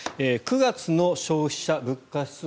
９月の消費者物価指数